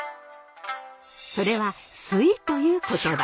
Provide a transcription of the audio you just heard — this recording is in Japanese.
それは「スイ」という言葉。